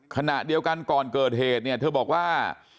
ขณะเดียวกันก่อนเกิดเหตุเนี่ยเธอบอกว่า